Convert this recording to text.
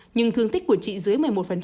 nhưng thương tích của chị dưới một mươi một